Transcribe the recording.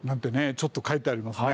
ちょっと書いてありますね。